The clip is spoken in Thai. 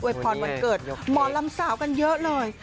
พรวันเกิดหมอลำสาวกันเยอะเลย